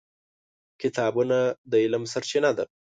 کتابونه د علم سرچینه ده.